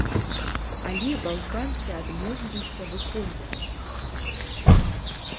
Але балканцы адмовіліся выконваць іх.